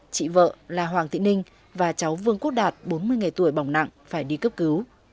chị vợ là hoàng thị ninh và cháu vương quốc đạt bốn mươi ngày tuổi bỏng nặng phải đi cấp cứu